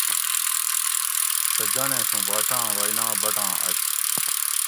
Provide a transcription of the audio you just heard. سہ جانیش اُوں باچاں وینا بٹاں اۤک